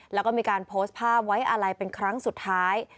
แล้วก็มีการโพสต์ภาพไว้อะไรเป็นครั้งสุดท้าย